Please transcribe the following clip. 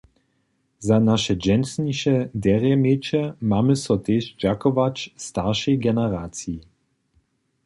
Za naše dźensniše derjeměće mamy so tež dźakować staršej generaciji.